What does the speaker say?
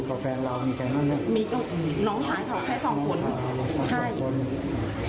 ใช่แหละคนเจ็บิใจน้องทายเขาไม่ใช่ที่ที่